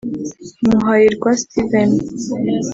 Muhayirwa Steven